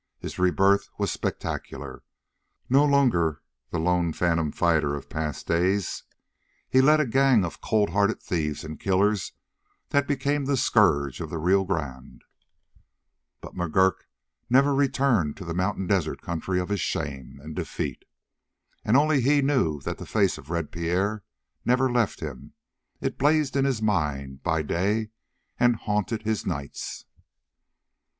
His rebirth was spectacular. No longer the lone phantom fighter of past days, he led a gang of coldhearted thieves and killers that became the scourge of the Rio Grande. But McGurk never returned to the mountain desert country of his shame and defeat. And only he knew that the face of Red Pierre never left him; it blazed in his mind by day and haunted his nights.